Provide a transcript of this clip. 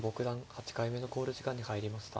８回目の考慮時間に入りました。